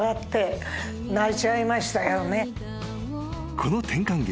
［この転換劇。